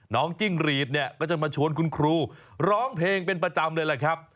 จิ้งรีดเนี่ยก็จะมาชวนคุณครูร้องเพลงเป็นประจำเลยแหละครับ